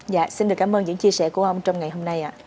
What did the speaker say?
dạ xin được cảm ơn những chia sẻ của ông trong ngày hôm nay ạ